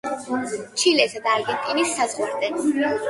ჩილესა და არგენტინის საზღვარზე.